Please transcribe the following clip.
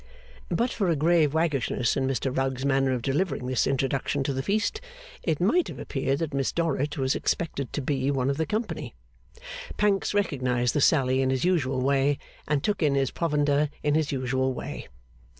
But for a grave waggishness in Mr Rugg's manner of delivering this introduction to the feast, it might have appeared that Miss Dorrit was expected to be one of the company. Pancks recognised the sally in his usual way, and took in his provender in his usual way.